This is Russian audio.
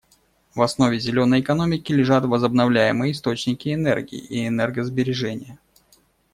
В основе «зеленой» экономики лежат возобновляемые источники энергии и энергосбережение.